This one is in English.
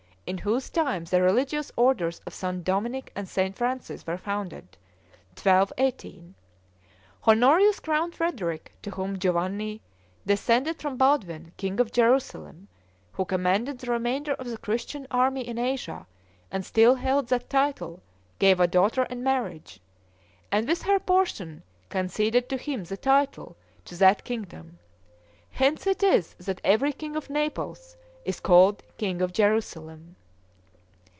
in whose time the religious orders of St. Dominic and St. Francis were founded, 1218. Honorius crowned Frederick, to whom Giovanni, descended from Baldwin, king of Jerusalem, who commanded the remainder of the Christian army in Asia and still held that title, gave a daughter in marriage; and, with her portion, conceded to him the title to that kingdom: hence it is that every king of Naples is called king of Jerusalem.